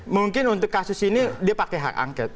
mungkin untuk kasus ini dia pakai hak angket